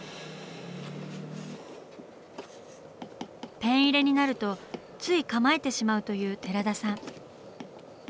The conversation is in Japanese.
ペン入れになるとつい構えてしまうという寺田さん。